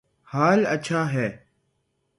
حال اچھا ہے